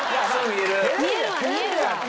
見えるわ見えるわ！